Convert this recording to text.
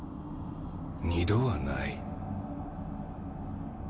二度はない。